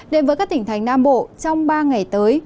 đến với các tỉnh thành nam bộ trong ba ngày tới